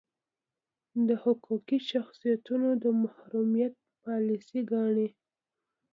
د حقوقي شخصیتونو د محرومیت پالیسي ګانې.